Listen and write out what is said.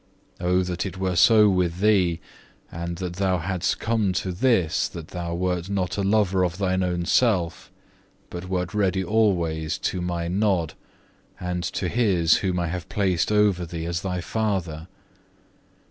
Oh that it were so with thee, and that thou hadst come to this, that thou wert not a lover of thine own self, but wert ready always to My nod, and to his whom I have placed over thee as thy father.